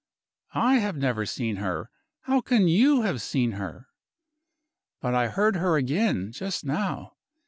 I have never seen her how can you have seen her? But I heard her again, just now.